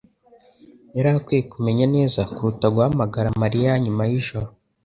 yari akwiye kumenya neza kuruta guhamagara Mariya nyuma yijoro.